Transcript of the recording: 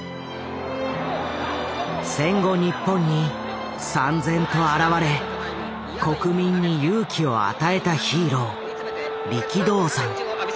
戦後日本にさん然と現れ国民に勇気を与えたヒーロー力道山。